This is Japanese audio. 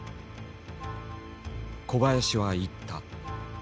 小林は言った。